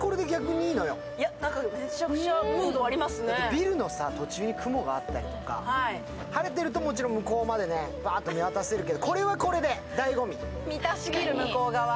ビルの途中に雲があったりとか、晴れているともちろん向こうまでパーッと見渡せるけど、これはこれでだいご味。